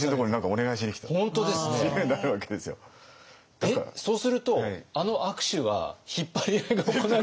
えっそうするとあの握手は引っ張り合いが行われてる？